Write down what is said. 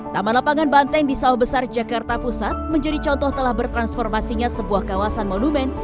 taman lapangan banteng di sawah besar jakarta pusat menjadi contoh telah bertransformasinya sebuah kawasan monumen